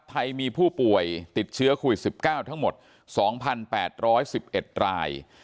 ไทยมีผู้ป่วยติดเชื้อโควิด๑๙ทั้งหมด๒๘๑๑ราย